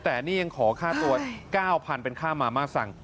แต่นี่ยังขอค่าตัว๙๐๐เป็นค่ามาม่าสั่ง